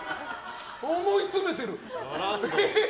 思い詰めてる！